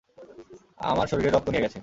আমার শরীরের রক্ত নিয়ে গেছে।